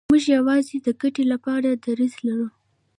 موږ یوازې د ګټې لپاره دریځ لرو.